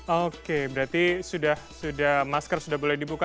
oke berarti sudah masker sudah boleh dibuka